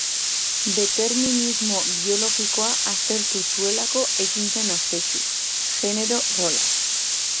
Determinismo biologikoa aztertu zuelako egin zen ospetsu: genero-rolak.